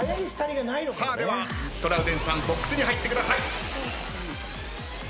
さあではトラウデンさんボックスに入ってください。